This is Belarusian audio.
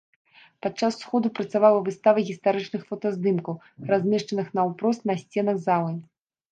Падчас сходу працавала выстава гістарычных фотаздымкаў, размешчаных наўпрост на сценах залы.